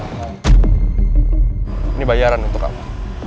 ini bayaran untuk kamu